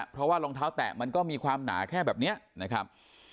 เพราะว่ารองเท้าแตะมันก็มีความหนาแค่แบบนี้นะครับ